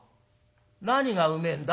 「何がうめえんだ？」。